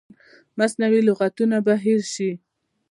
مصنوعي لغتونه به هیر شي.